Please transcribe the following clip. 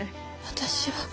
私は。